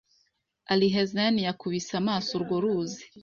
Alhazen yakubise amaso urwo ruzi,